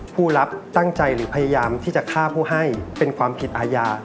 ผู้รับตั้งใจหรือพยายามที่จะฆ่าผู้ให้เป็นความผิดอาญา